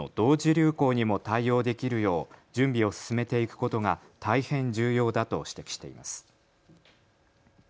流行にも対応できるよう準備を進めていくことが大変重要だと指摘しています。